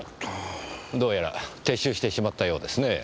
どうやら撤収してしまったようですねぇ。